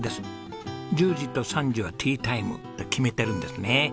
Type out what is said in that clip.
１０時と３時はティータイムと決めてるんですね。